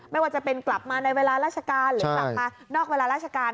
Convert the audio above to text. ไม่ว่าจะเป็นกลับมาในเวลาราชการหรือกลับมานอกเวลาราชการ